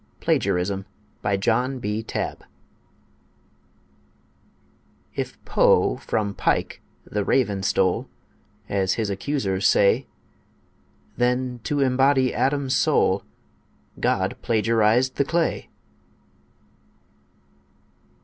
PLAGIARISM BY JOHN B. TABB If Poe from Pike The Raven stole, As his accusers say, Then to embody Adam's soul, God plagiarised the clay.